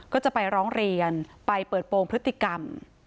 ก็จะไปร้องเรียนไปเปิดโปรงพฤติกรรม